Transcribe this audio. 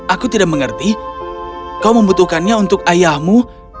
aku tidak mengerti kau membutuhkannya untuk ayahmu